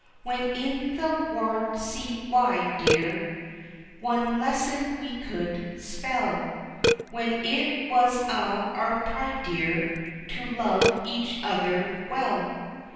When in the warld sae wide, dear, One lesson we could spell When it was a' our pride, dear, To love each other well.